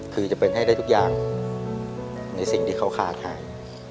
คือจะเป็นให้ได้ทุกอย่างในสิ่งที่เขาขาดหาย